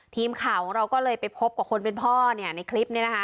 ทีมข่าวของเราก็เลยไปพบกับคนเป็นพ่อเนี่ยในคลิปนี้นะคะ